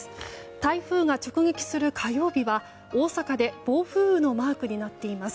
台風が直撃する火曜日は大阪で暴風雨のマークになっています。